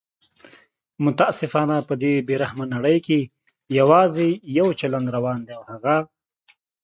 متاسفانه په دې بې رحمه نړۍ کې یواځي یو چلند روان دی او هغه